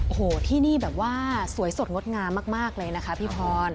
โอ้โหที่นี่แบบว่าสวยสดงดงามมากเลยนะคะพี่พร